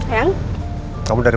lumus dalam diriku